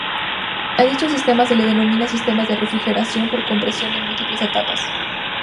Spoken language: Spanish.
A dichos sistemas se les denomina sistemas de refrigeración por compresión de múltiples etapas.